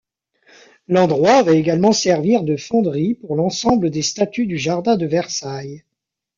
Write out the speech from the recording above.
L'endroit va également servir de fonderie pour l'ensemble des statues du jardin de Versailles.